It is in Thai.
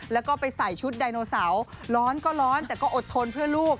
แล้วก็ไปใส่ชุดไดโนเสาร์ร้อนก็ร้อนแต่ก็อดทนเพื่อลูก